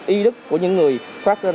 y đức của những người khoác trên